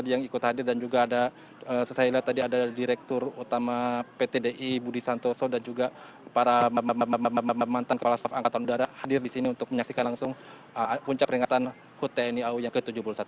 yang ikut hadir dan juga ada saya lihat tadi ada direktur utama pt di budi santoso dan juga para mantan kepala staf angkatan udara hadir di sini untuk menyaksikan langsung puncak peringatan hut tni au yang ke tujuh puluh satu